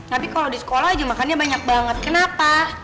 tapi kalau di sekolah aja makannya banyak banget kenapa